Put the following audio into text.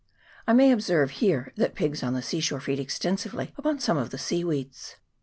I may observe here that pigs on the sea shore feed extensively upon some of the seaweeds.